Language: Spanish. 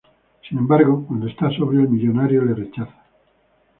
Sin embargo, cuando está sobrio, el millonario le rechaza.